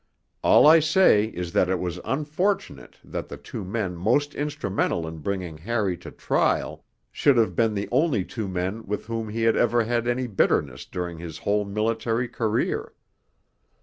All I say is that it was unfortunate that the two men most instrumental in bringing Harry to trial should have been the only two men with whom he had ever had any bitterness during his whole military career.